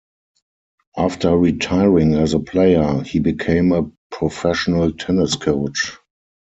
After retiring as a player, he became a professional tennis coach.